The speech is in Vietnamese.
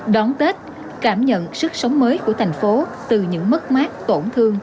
đón tết cảm nhận sức sống mới của thành phố từ những mất mát tổn thương